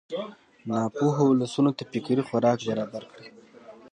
ناپوهو ولسونو ته فکري خوراک برابر کړي.